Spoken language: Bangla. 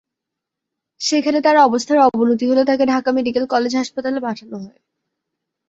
সেখানে তার অবস্থার অবনতি হলে তাকে ঢাকা মেডিকেল কলেজ হাসপাতালে পাঠানো হয়।